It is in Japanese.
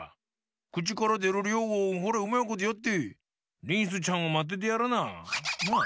くちからでるりょうをホレうまいことやってリンスちゃんをまっててやらな。なあ！